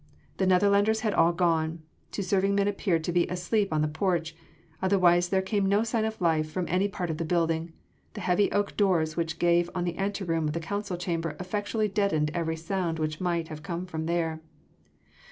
The Netherlanders had all gone: two serving men appeared to be asleep in the porch, otherwise there came no sign of life from any part of the building: the heavy oak doors which gave on the anteroom of the council chamber effectually deadened every sound which might have come from there.